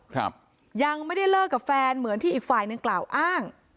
ครับยังไม่ได้เลิกกับแฟนเหมือนที่อีกฝ่ายหนึ่งกล่าวอ้าง